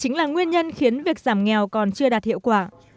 nguyên nhân khiến việc giảm nghèo còn chưa đạt hiệu quả